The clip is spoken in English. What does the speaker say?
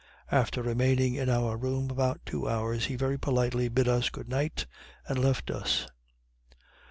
After remaining in our room about two hours, he very politely bid us good night, and left us.